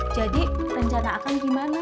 jadi rencana akan gimana